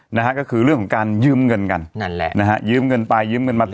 นะฮะก็คือเรื่องของการยืมเงินกันนั่นแหละนะฮะยืมเงินไปยืมเงินมา